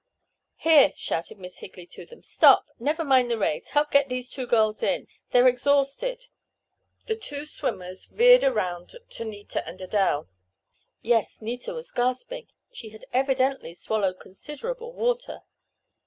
"Here!" shouted Miss Higley to them. "Stop! Never mind the race! Help get these two girls in. They're exhausted!" The two swimmers veered around to Nita and Adele. Yes, Nita was gasping! She had evidently swallowed considerable water.